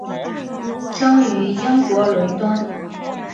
生于英国伦敦。